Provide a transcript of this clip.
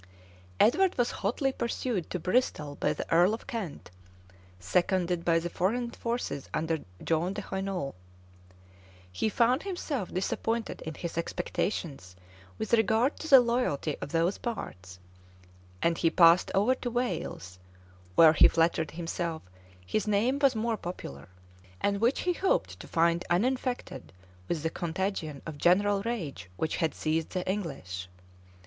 Edward was hotly pursued to Bristol by the earl of Kent, seconded by the foreign forces under John de Hainault. He found himself disappointed in his expectations with regard to the loyalty of those parts; and he passed over to Wales, where, he flattered himself, his name was more popular, and which he hoped to find uninfected with the contagion of general rage which had seized the English.